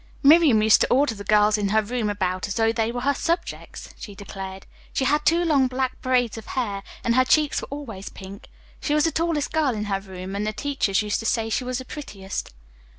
"Miriam used to order the girls in her room about as though they were her subjects," she declared. "She had two long black braids of hair and her cheeks were always pink. She was the tallest girl in her room and the teachers used to say she was the prettiest."